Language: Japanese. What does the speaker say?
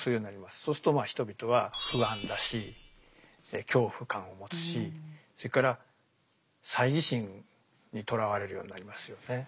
そうすると人々は不安だし恐怖感を持つしそれから猜疑心にとらわれるようになりますよね。